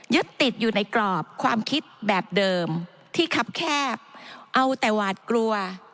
ยึดติดอยู่ในกรอบความคิดแบบเดิมที่คับแคบเอาแต่หวาดกลัว